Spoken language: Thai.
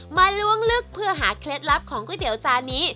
ล้วงลึกเพื่อหาเคล็ดลับของก๋วยเตี๋ยวจานนี้